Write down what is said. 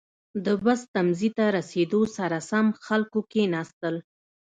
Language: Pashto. • د بس تمځي ته رسېدو سره سم، خلکو کښېناستل.